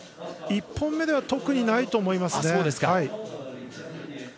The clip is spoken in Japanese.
１本目では特にないと思いますね。